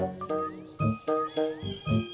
neng ine kek